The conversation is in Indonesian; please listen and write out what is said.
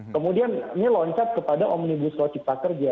kemudian ini loncat kepada omnibus roci pekerja